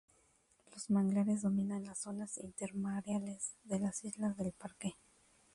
Los manglares dominan las zonas intermareales de las islas del parque.